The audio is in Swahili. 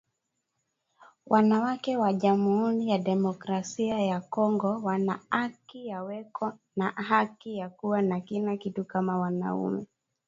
Wana wake wa jamuuri ya democratia ya congo wana aki ya weko na haki ya kuwa na kila kitu kama wana ume